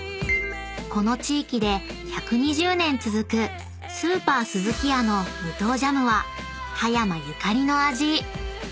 ［この地域で１２０年続くスーパースズキヤの無糖ジャムは葉山ゆかりの味］